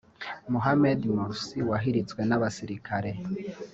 Mohammed Morsi wahiritswe n’abasirikare